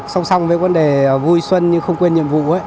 song song với vấn đề vui xuân nhưng không quên nhiệm vụ